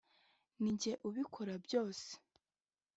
Nijye ubikora byose